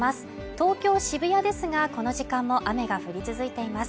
東京・渋谷ですがこの時間も雨が降り続いています。